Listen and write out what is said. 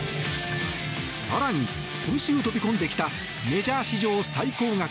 更に、今週飛び込んできたメジャー史上最高額